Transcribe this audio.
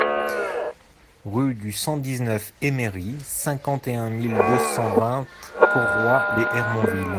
Rue du cent dix-neuf Eme Ri, cinquante et un mille deux cent vingt Cauroy-lès-Hermonville